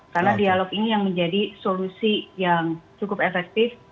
dan dialog ini yang menjadi solusi yang cukup efektif